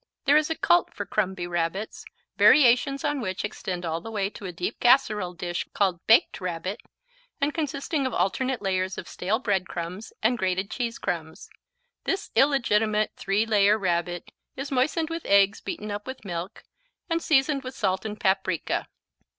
There is a cult for Crumby Rabbits variations on which extend all the way to a deep casserole dish called Baked Rabbit and consisting of alternate layers of stale bread crumbs and grated cheese crumbs. This illegitimate three layer Rabbit is moistened with eggs beaten up with milk, and seasoned with salt and paprika.